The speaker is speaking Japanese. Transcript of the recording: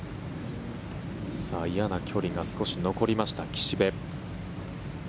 嫌な距離が少し残りました岸部。